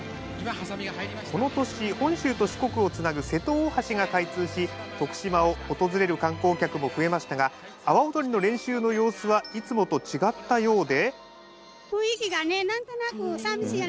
この年本州と四国をつなぐ瀬戸大橋が開通し徳島を訪れる観光客も増えましたが阿波踊りの練習の様子はいつもと違ったようで。